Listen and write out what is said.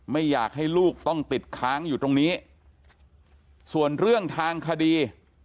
ไม่อยากให้ลูกต้องติดค้างอยู่ตรงนี้ส่วนเรื่องทางคดี